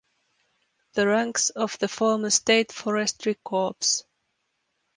The ranks of the former State Forestry Corps.